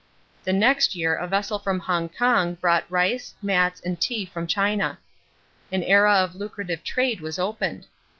The next year a vessel from Hongkong brought rice, mats, and tea from China. An era of lucrative trade was opened.